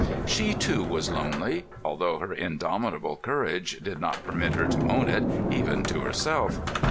She too was lonely, although her indomitable courage did not permit her to own it, even to herself.